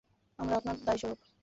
আমরা আপনার দায়স্বরূপ।